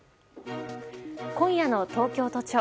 今夜の東京都庁。